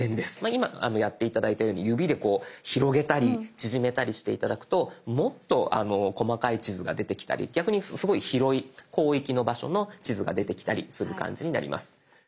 今やって頂いたように指でこう広げたり縮めたりして頂くともっと細かい地図が出てきたり逆にすごい広い広域の場所の地図が出てきたりする感じになります。